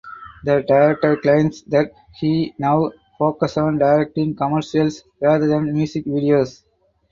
The director claims that he now focuses on directing commercials rather than music videos.